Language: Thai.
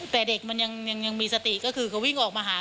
แต่เด็กมันยังมีสติก็คือก็วิ่งออกมาหา